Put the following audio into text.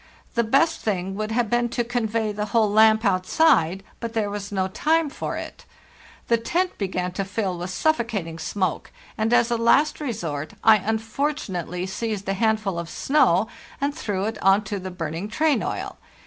The best thing would have been to convey the whole lamp outside, but there was no time for it. The tent began to fill with suffocat ing smoke, and as a last resort I unfortunately seized a handful of snow and threw it on to the burning train oil.